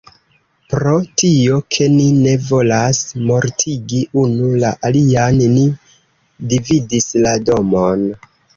Pro tio, ke ni ne volas mortigi unu la alian, ni dividis la domon.